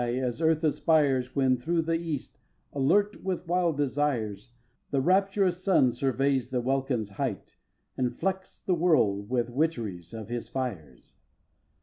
as earth aspires When through the East, alert with wild desires, The rapturous sun surveys the welkin's height, And flecks the world with witcheries of his fires.